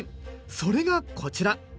それがこちら！